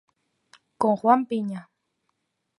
Con Juan Piña.